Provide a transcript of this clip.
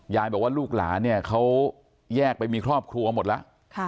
ยายบอกว่าลูกหลานเนี่ยเขาแยกไปมีครอบครัวหมดแล้ว